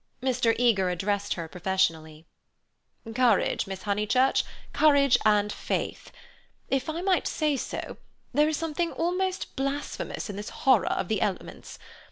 Mr. Eager addressed her professionally: "Courage, Miss Honeychurch, courage and faith. If I might say so, there is something almost blasphemous in this horror of the elements.